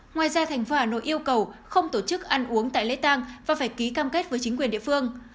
ngoài ra thành phố hà nội yêu cầu không tổ chức ăn uống tại lễ tăng và phải ký cam kết với chính quyền địa phương